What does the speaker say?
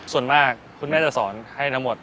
ส่วนมากคุณแม่จะสอนให้ทั้งหมด